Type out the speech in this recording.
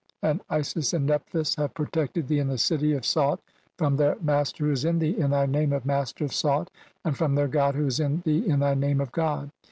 And Isis and (29) Nephthys have "protected thee in the city of Saut from their master "who is in thee in thy name of 'Master of Saut', and "from their god who is in thee in thy name of 'God'.